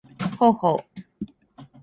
ほうほうほう